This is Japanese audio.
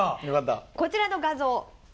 こちらの画像。